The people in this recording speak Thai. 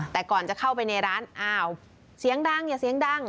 แต่ก่อนจะเข้าไปในร้านอ้าวเสียงดังอย่าเสียงดัง